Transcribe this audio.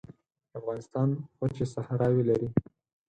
افغانستان وچې صحراوې لري